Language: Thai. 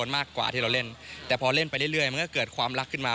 มากกว่าที่เราเล่นแต่พอเล่นไปเรื่อยมันก็เกิดความรักขึ้นมา